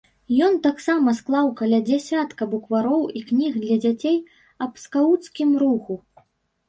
Ён таксама склаў каля дзясятка буквароў і кніг для дзяцей аб скауцкім руху.